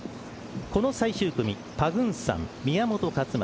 この最終組パグンサン、宮本勝昌